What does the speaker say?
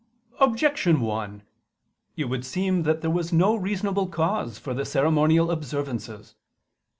Objection 1: It would seem that there was no reasonable cause for the ceremonial observances.